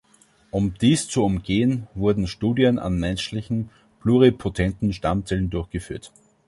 Um dies zu umgehen, wurden Studien an menschlichen pluripotenten Stammzellen durchgeführt.